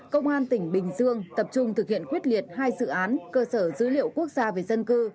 công an tỉnh bình dương tập trung thực hiện quyết liệt hai dự án cơ sở dữ liệu quốc gia về dân cư